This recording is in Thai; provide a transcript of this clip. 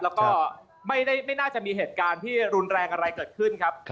แล้วก็ไม่น่าจะมีเหตุการณ์ที่รุนแรงอะไรเกิดขึ้นครับ